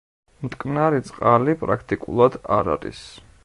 მტკნარი წყალი პრაქტიკულად არ არის.